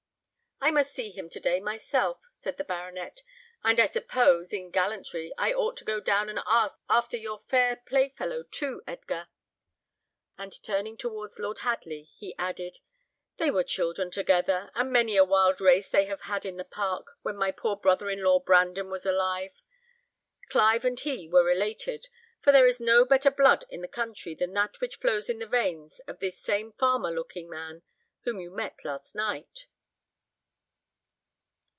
"I must see him to day, myself," said the baronet; "and I suppose, in gallantry, I ought to go down and ask after your fair playfellow, too, Edgar;" and turning towards Lord Hadley, he added, "they were children together, and many a wild race have they had in the park, when my poor brother in law Brandon was alive. Clive and he were related; for there is no better blood in the country than that which flows in the veins of this same farmer looking man whom you met last night."